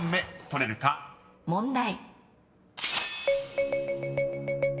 問題。